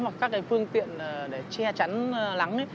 hoặc các phương tiện để che chắn nắng